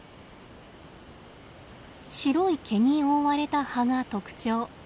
白い毛に覆われた葉が特徴。